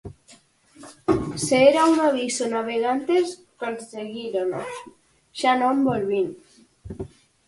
Se era un aviso a navegantes conseguírono, xa non volvín.